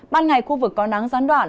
ban ngày khu vực có nắng giăn đoạn